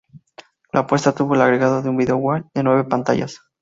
La puesta tuvo el agregado de un "video wall" de nueve pantallas.